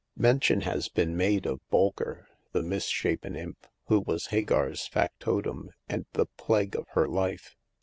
Mention has been made of Bolker, the mis shapen imp, who was Hagar's factotum and the plague of her life.